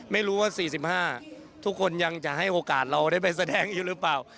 ไม่รู้ว่า๔๕ทุกคนยังจะให้โอกาสเราได้ไปแสดงอยู่หรือเปล่า